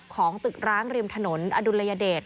ของตึกร้างริมถนนอดุลยเดช